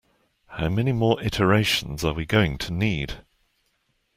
How many more iterations are we going to need?